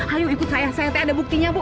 hayu ikut saya saya ada buktinya bu